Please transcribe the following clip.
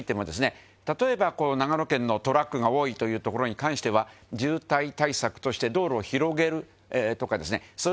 長野県のトラックが多いというところに関しては詑畋从筿箸靴道路を広げるとかですね修